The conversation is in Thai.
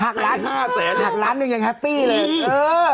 ล้านห้าแสนหักล้านหนึ่งยังแฮปปี้เลย